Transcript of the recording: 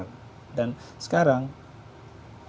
dan sekarang hampir semua kkp yang ada di sana